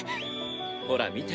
ほら見て。